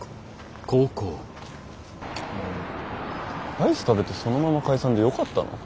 アイス食べてそのまま解散でよかったの？